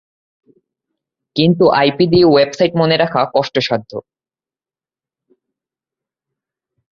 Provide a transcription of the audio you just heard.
কিন্তু আইপি দিয়ে ওয়েবসাইট মনে রাখা কষ্টসাধ্য।